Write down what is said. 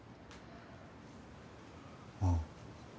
ああ。